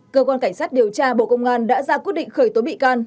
cơ quan cảnh sát điều tra bộ công an đã ra quyết định khởi tố bị can